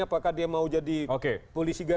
apakah dia mau jadi polisi